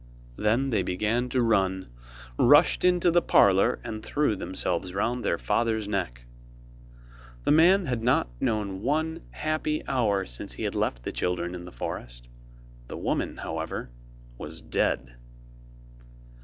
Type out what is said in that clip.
Then they began to run, rushed into the parlour, and threw themselves round their father's neck. The man had not known one happy hour since he had left the children in the forest; the woman, however, was dead.